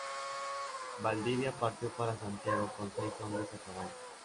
Valdivia partió para Santiago con seis hombres a caballo.